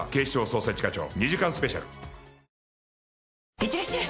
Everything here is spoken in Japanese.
いってらっしゃい！